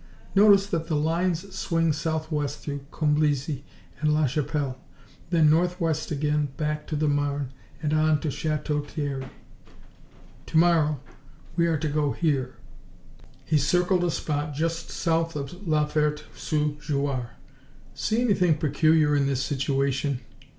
"Notice that the lines swing southwest through Comblizy and la Chapelle, then northwest again, back to the Marne, and on to Chateau Thierry. To morrow we are to go here." He circled a spot just south of La Ferte sous Jouarre. "See anything peculiar in this situation?"